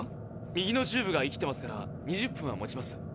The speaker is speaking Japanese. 右のチューブが生きてますから２０分はもちます。